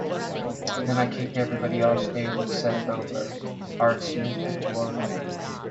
Then I kicked everybody off stage except Bogart, Art Smith and Gloria.